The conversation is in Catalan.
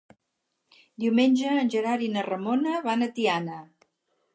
Diumenge en Gerard i na Ramona van a Tiana.